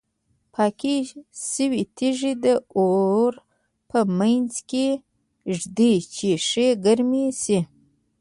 پاکې شوې تیږې د اور په منځ کې ږدي چې ښې ګرمې شي.